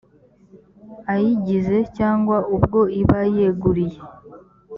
ayigize cyangwa ubwo iba yeguriye